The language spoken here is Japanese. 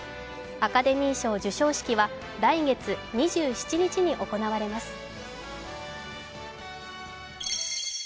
アカデミー賞授賞式は来月２７日に行われます。